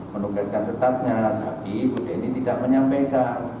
menunggaskan staffnya tapi bu deni tidak menyampaikan